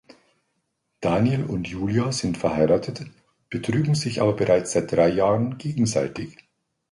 Daniel und Julia sind verheiratet, betrügen sich aber bereits seit drei Jahren gegenseitig.